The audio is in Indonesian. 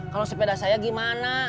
kalau sepeda saya gimana